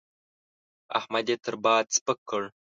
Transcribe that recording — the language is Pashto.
احمد يې تر باد سپک کړ.